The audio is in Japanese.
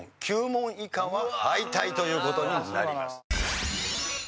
９問以下は敗退という事になります。